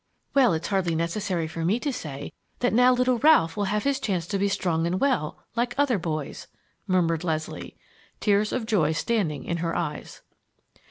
"Well, it's hardly necessary for me to say that now little Ralph will have his chance to be strong and well, like other boys," murmured Leslie, tears of joy standing in her eyes.